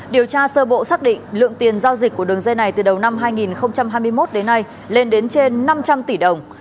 điều tra sơ bộ xác định lượng tiền giao dịch của đường dây này từ đầu năm hai nghìn hai mươi một đến nay lên đến trên năm trăm linh tỷ đồng